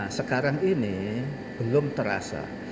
sekarang ini belum terasa